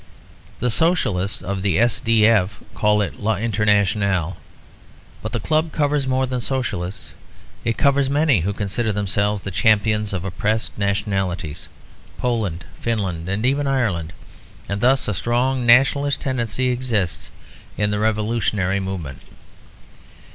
The Socialists of the S.D.F. call it "L'Internationale," but the club covers more than Socialists. It covers many who consider themselves the champions of oppressed nationalities Poland, Finland, and even Ireland; and thus a strong nationalist tendency exists in the revolutionary movement.